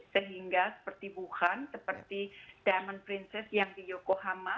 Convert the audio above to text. sehingga seperti wuhan seperti diamond princess yang di yokohama